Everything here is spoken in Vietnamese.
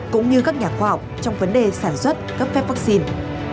cũng như các nhà khoa học trong vấn đề sản xuất cấp phép vaccine